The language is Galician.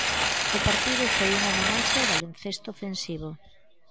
O partido foi unha homenaxe ao baloncesto ofensivo.